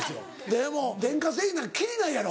でも電化製品切りないやろ。